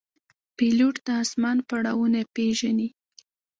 پیلوټ د آسمان پړاوونه پېژني.